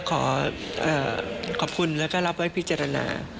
ขอขอบคุณแล้วก็รับไว้พิจารณา